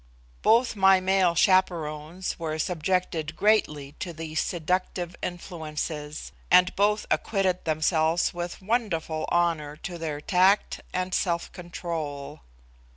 Both my male chaperons were subjected greatly to these seductive influences, and both acquitted themselves with wonderful honour to their tact and self control.